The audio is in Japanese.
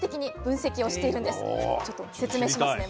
ちょっと説明しますね。